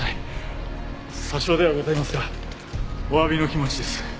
些少ではございますがおわびの気持ちです。